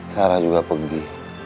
sarah juga pergi